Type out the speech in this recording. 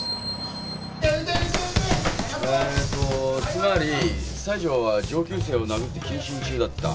つまり西条は上級生を殴って謹慎中だった。